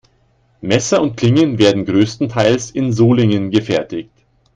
Messer und Klingen werden größtenteils in Solingen gefertigt.